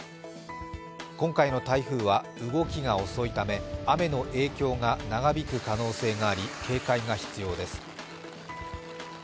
今回の台風は動きが遅いため雨の影響が長引く可能性があり警戒が必要です。